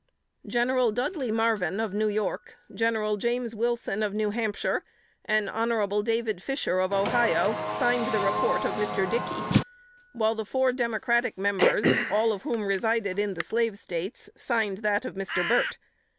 General Dudley Marvin, of New York, General James Wilson, of New Hampshire, and Hon. David Fisher, of Ohio, signed the report of Mr. Dickey; while the four Democratic members, all of whom resided in the slave States, signed that of Mr. Burt.